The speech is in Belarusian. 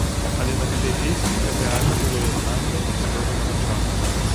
Але на гэтай песні рэальна было яднанне і слёзы на вачах.